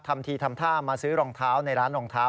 ทำทีทำท่ามาซื้อรองเท้าในร้านรองเท้า